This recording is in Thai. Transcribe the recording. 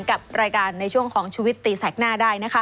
กับรายการในช่วงของชุวิตตีแสกหน้าได้นะคะ